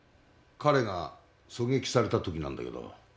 彼が狙撃された時なんだけど。